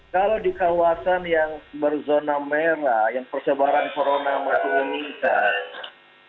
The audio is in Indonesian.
kalau di kawasan yang berzona merah yang persebaran corona masih meningkat